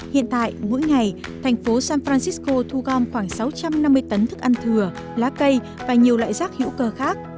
hiện tại mỗi ngày thành phố san francisco thu gom khoảng sáu trăm năm mươi tấn thức ăn thừa lá cây và nhiều loại rác hữu cơ khác